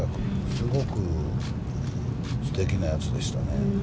すごくすてきなやつでしたね。